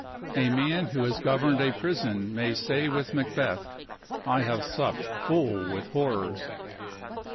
A man who has governed a prison may say with Macbeth, "I have supped full with horrors."